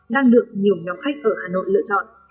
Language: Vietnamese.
đang được nhiều nhóm khách ở hà nội lựa chọn